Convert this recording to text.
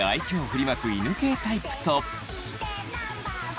振りまく犬系タイプと。